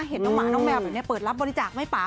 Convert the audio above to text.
เห็นน้องหมาน้องแมวแบบนี้เปิดรับบริจาคไหมป่า